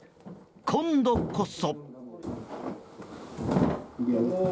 今度こそ。